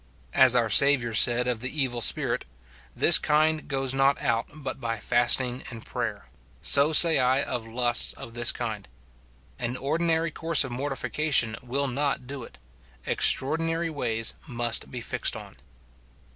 As our Saviour said of the evil spirit, " This kind goes not out but by fasting and prayer," so say I of lusts of this kind. An ordi nary course of mortification will not do it ; extraordinary ways must be fixed on.